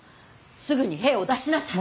すぐに兵を出しなさい。